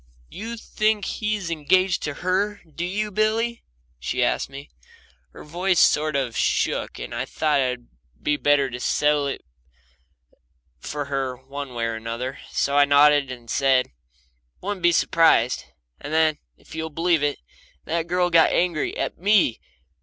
"You think he IS engaged to her, do you, Billy?" she asked me. Her voice sort of shook, and I thought I'd better settle it for her one way or the other, so I nodded and said, "Wouldn't be surprised," and then, if you'll believe it, that girl got angry at ME.